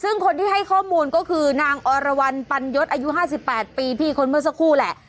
ซึ่งคนที่ให้ข้อมูลก็คือนางอรวรรณปันยศอายุ๕๘ปีพี่คนเมื่อสักครู่แหละ